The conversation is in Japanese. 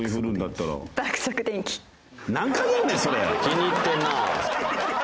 気に入ってるな。